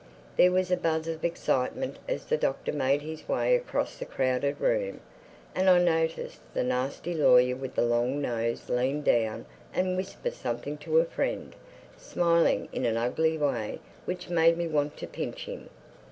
There was a buzz of excitement as the Doctor made his way across the crowded room; and I noticed the nasty lawyer with the long nose lean down and whisper something to a friend, smiling in an ugly way which made me want to pinch him.